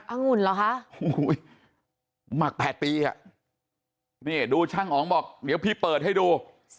องุ่นเหรอคะหมัก๘ปีนี่ดูช่างอ๋องบอกเดี๋ยวพี่เปิดให้ดู